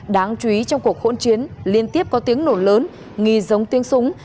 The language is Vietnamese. đáng chú ý trong cuộc hỗn chiến liên tiếp có tiếng nổ lớn nghi giống tiếng súng